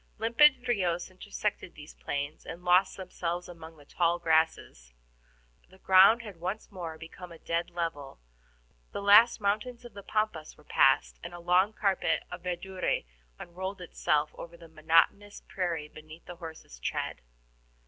Limpid RIOS intersected these plains, and lost themselves among the tall grasses. The ground had once more become a dead level, the last mountains of the Pampas were passed, and a long carpet of verdure unrolled itself over the monotonous prairie beneath the horses' tread.